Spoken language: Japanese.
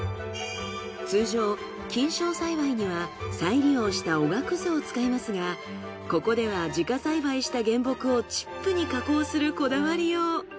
通常菌床栽培には再利用したオガクズを使いますがここでは自家栽培した原木をチップに加工するこだわりよう。